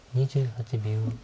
２８秒。